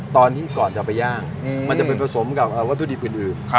ตอนที่ก่อนจะไปย่างมันจะไปผสมกับวัตถุดิบอื่น